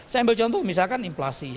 saya ambil contoh misalkan inflasi